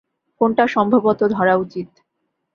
ফোনটা সম্ভবত ধরা উচিত।